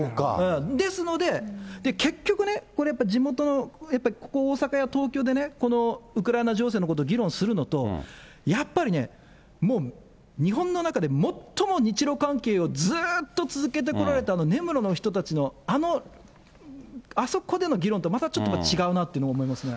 ですので、結局ね、地元のやっぱりここ、大阪や東京でウクライナ情勢のことを議論するのと、やっぱり日本の中で最も日ロ関係をずっと続けてこられた、根室の人たちのあの、あそこでの議論ってまたちょっと違うなっていうのを思いますね。